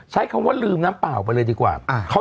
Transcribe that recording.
ใช้คำว่าลืมน้ำเปล่าไปเลยดีกว่า